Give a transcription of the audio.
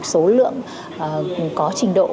số lượng có trình độ